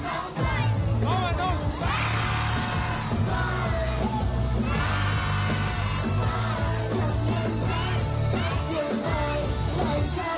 ชอบไว้และช่างกับคนเขาไวสุกยังบันแซกยังไว